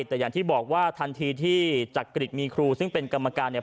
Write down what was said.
แต่อย่างที่บอกว่าทันทีที่จักริตมีครูซึ่งเป็นกรรมการเนี่ย